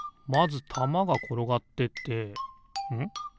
まずたまがころがってってん？